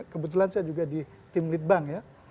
kebetulan saya juga di tim litbang ya